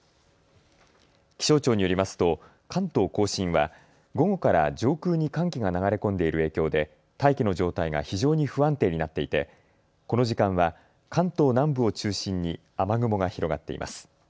気象庁によりますと関東甲信は午後から上空に寒気が流れ込んでいる影響で大気の状態が非常に不安定になっていてこの時間は関東南部を中心に雨雲が広がっています。